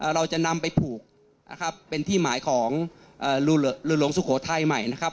เราจะนำไปผูกนะครับเป็นที่หมายของเรือหลวงสุโขทัยใหม่นะครับ